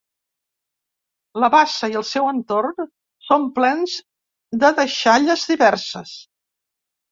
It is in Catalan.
La bassa i el seu entorn són plens de deixalles diverses.